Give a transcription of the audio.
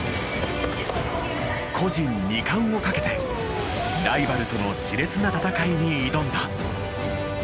個人二冠をかけてライバルとの熾烈な戦いに挑んだ。